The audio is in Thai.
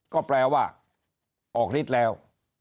ก็แปลว่าออกฤทธิ์แล้ว